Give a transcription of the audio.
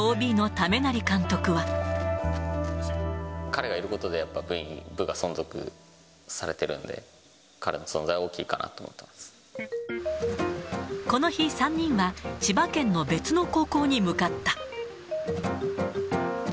彼がいることで、やっぱり部が存続されてるので、彼の存在は大きいかなと思っていこの日、３人は千葉県の別の高校に向かった。